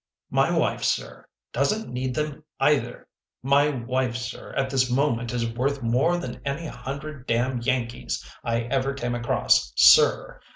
My wife, Sir! doesn t need them either! My wife, Sir, at this moment is worth more than any hundred damn Yankees I ever came across, Sir!